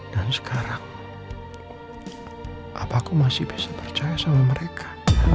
dan sekarang apakah aku masih bisa percaya sama mereka